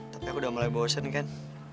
tapi aku udah mulai bosen kan